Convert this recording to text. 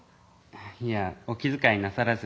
「いやお気づかいなさらず。